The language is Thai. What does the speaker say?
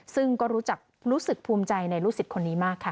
ซึ่งก็รู้สึกภูมิใจในลูกศิษย์คนนี้มากค่ะ